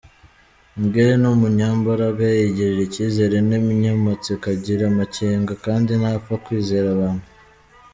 Miguel ni umunyembaraga, yigirira icyizere, ni umunyamatsiko, agira amakenga kandi ntapfa kwizera abantu.